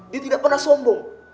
dia tidak pernah sombong